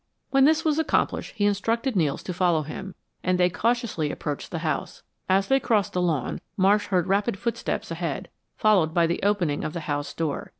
When this was accomplished he instructed Nels to follow him, and they cautiously approached the house. As they crossed the lawn, Marsh heard rapid footsteps ahead, followed by the opening of the house door.